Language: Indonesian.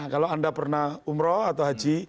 kalau anda pernah umroh atau haji